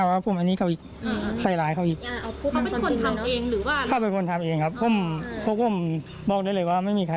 อันนี้เป็นครั้งแรกของเขาไหมคะ